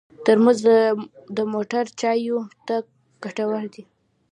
ترموز د موټر چایو ته ګټور دی.